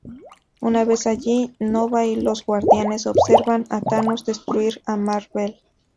Una vez allí, Nova y los Guardianes observan a Thanos destruir a Mar-Vell.